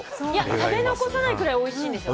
食べ残さないぐらいおいしいんですよ。